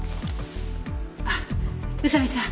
あっ宇佐見さん